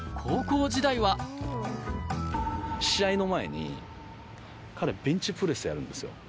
試合の前に、彼、ベンチプレスやるんですよ。